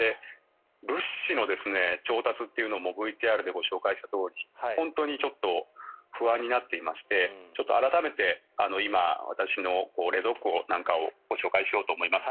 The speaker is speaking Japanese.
物資の調達というのもＶＴＲでご紹介したとおり本当に不安になっていまして改めて今、私の冷蔵庫なんかをご紹介しようと思います。